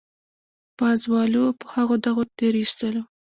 پازوالو په هغو دغو تېرېستلو.